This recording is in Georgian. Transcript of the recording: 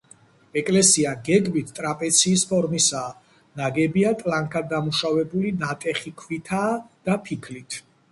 ეკლესია გეგმით ტრაპეციის ფორმისაა, ნაგებია ტლანქად დამუშავებული ნატეხი ქვითაა და ფიქლით.